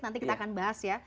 nanti kita akan bahas ya